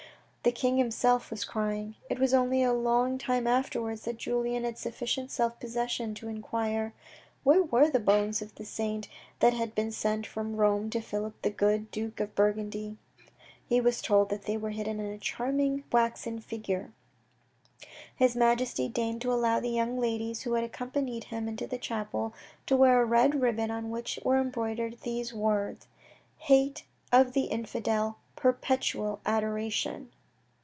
The king himself was crying. It was only a long time afterwards that Julien had sufficient self possession to enquire " where were the bones of the Saint that had been sent from Rome to Philip the Good, Duke of Burgundy ?" He was told that they were hidden in the charming waxen figure. His Majesty deigned to allow the young ladies who had accompanied him into the chapel to wear a red ribbon on which were embroidered these words, "HATE OF THE INFIDEL. PERPETUAL ADORATION."